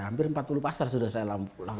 hampir empat puluh pasar sudah saya pulang